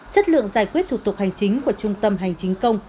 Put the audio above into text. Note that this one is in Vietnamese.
chất lượng giải quyết thủ tục hành chính của trung tâm hành chính công